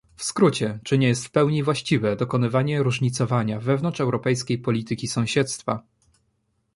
W skrócie, czy nie jest w pełni właściwe dokonywanie różnicowania wewnątrz europejskiej polityki sąsiedztwa?